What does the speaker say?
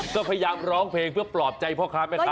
ก็พยายามร้องเพลงเพื่อปลอบใจพ่อค้าแม่ค้า